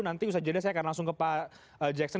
nanti usaha jeda saya akan langsung ke pak jackson